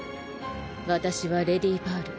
私はレディパール。